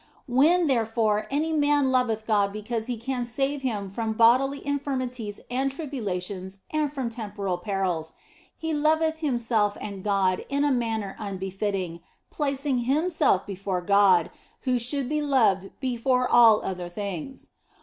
When, therefore, any man loveth God because He can OF FOLIGNO 119 save him from bodily infirmities and tribulations and from temporal perils, he loveth himself and God in a manner unbefitting, placing himself before God, who should be loved before all other things.